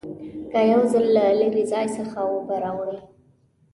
که یو ځل له لرې ځای څخه اوبه راوړې.